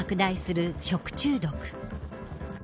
全国に拡大する食中毒。